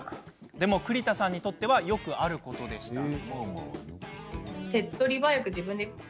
でも栗田さんにとってはよくあることでした。